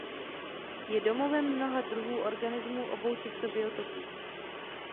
Je domovem mnoha druhů organismů obou těchto biotopů.